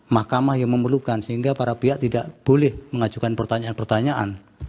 mahkamah yang memerlukan sehingga para pihak tidak boleh mengajukan pertanyaan pertanyaan